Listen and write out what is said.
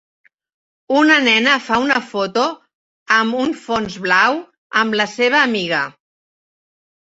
Una nena fa una foto amb un fons blau amb la seva amiga.